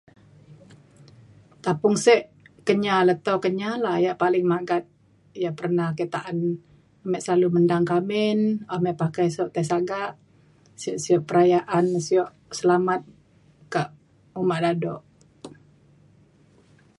tapung sek Kenyah leto Kenyah la ia' paling magat ia' pernah ke ta'an mek slalu mendang ka amin amek pakai sio tai sagak sio sio perayaan sio selamat ka uma dado